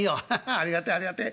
ありがてえありがてえ。